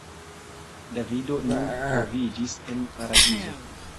Davido nun troviĝis en Paradizo.